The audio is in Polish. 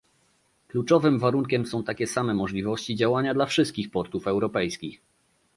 Kluczowym warunkiem są takie same możliwości działania dla wszystkich portów europejskich